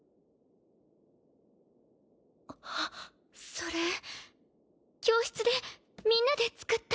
それ教室でみんなで作った。